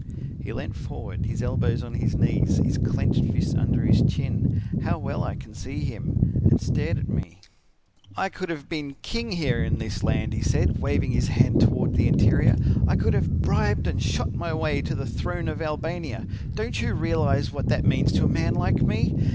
"He leant forward, his elbows on his knees, his clenched fist under his chin how well I can see him! and stared at me. "'I could have been king here in this land,' he said, waving his hand toward the interior, 'I could have bribed and shot my way to the throne of Albania. Don't you realize what that means to a man like me?